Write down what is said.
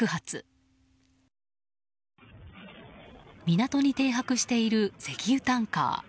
港に停泊している石油タンカー。